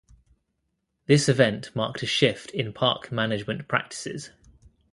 This event marked a shift in park management practices.